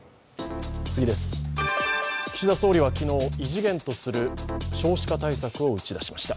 岸田総理は昨日、異次元とする少子化対策を打ち出しました。